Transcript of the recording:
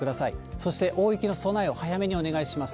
そして、大雪の備えを早めにお願いします。